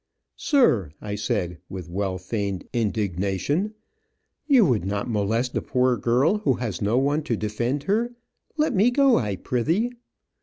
"Sir," I said, with well feigned indignation, "you would not molest a poor girl who has no one to defend her. Let me go I prithe."